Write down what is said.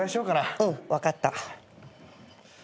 うん分かった。